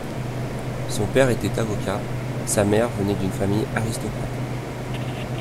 Son père était avocat, sa mère venait d'une famille aristocrate.